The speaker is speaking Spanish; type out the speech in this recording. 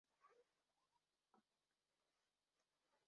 Es el principal símbolo de identificación de Armenia.